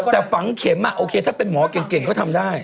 แต่ฝังเข็มโอเคถ้าเป็นหมอเก่งเขาทำได้